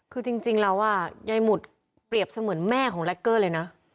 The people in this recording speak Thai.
คือจริงแล้วยายหมุดเปรียบเสมือนแม่ของแรคเกอร์เลยนะ